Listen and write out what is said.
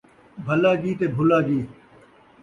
بَھلا جی تے بُھلا جی